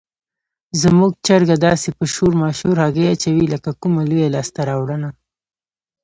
زموږ چرګه داسې په شور ماشور هګۍ اچوي لکه کومه لویه لاسته راوړنه.